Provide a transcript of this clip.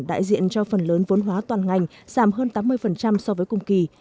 đại diện cho phần lớn vốn hóa toàn ngành giảm hơn tám mươi so với cùng kỳ